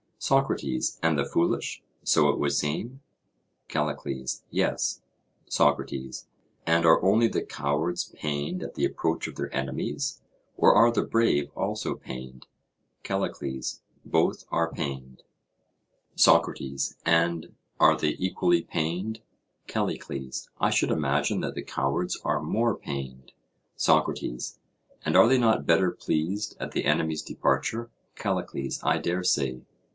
SOCRATES: And the foolish; so it would seem? CALLICLES: Yes. SOCRATES: And are only the cowards pained at the approach of their enemies, or are the brave also pained? CALLICLES: Both are pained. SOCRATES: And are they equally pained? CALLICLES: I should imagine that the cowards are more pained. SOCRATES: And are they not better pleased at the enemy's departure? CALLICLES: I dare say.